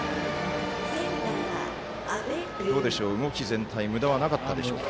どうでしょう、動き全体むだはなかったでしょうか？